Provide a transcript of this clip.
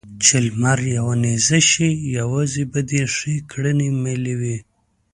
چې لمر يوه نېزه شي؛ يوازې به دې ښې کړنې ملې وي.